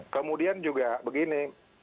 kemudian juga begini